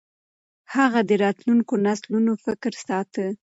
هغه د راتلونکو نسلونو فکر ساته.